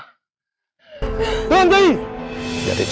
itu onlar mahaka dosis